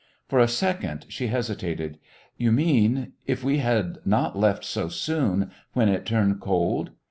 For a second she hesitated. "You mean, if we had not left so soon when it turned cold.